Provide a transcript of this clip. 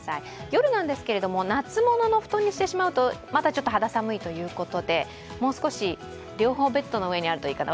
夜ですけれども、夏物の布団にしてしまうとまだちょっと肌寒いということでもう少し、両方ベッドの上にあるといいかな。